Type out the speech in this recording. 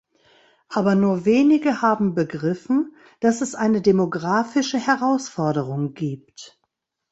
Aber nur wenige haben begriffen, dass es eine demografische Herausforderung gibt.